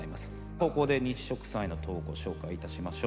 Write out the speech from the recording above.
ここで日食さんへの投稿紹介いたしましょう。